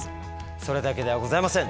それだけではございません。